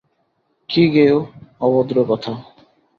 কী গেঁয়ো, অভদ্র কথা!